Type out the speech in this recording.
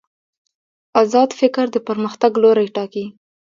ازاد فکر د پرمختګ لوری ټاکي.